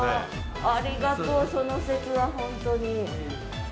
ありがとうその節は本当に。